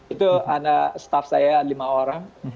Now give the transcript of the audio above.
itu anak staff saya lima orang